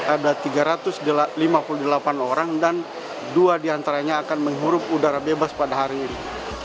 ada tiga ratus lima puluh delapan orang dan dua diantaranya akan menghirup udara bebas pada hari ini